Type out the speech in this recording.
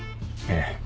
ええ。